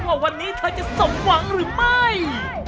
ว่าวันนี้เธอจะสมหวังหรือไม่